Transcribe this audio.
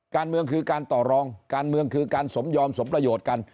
การเมืองคือการต่อรองการเมืองคือการสมยอมสมประโยชน์กัน